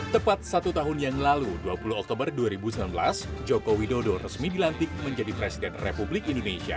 tepat satu tahun yang lalu dua puluh oktober dua ribu sembilan belas joko widodo resmi dilantik menjadi presiden republik indonesia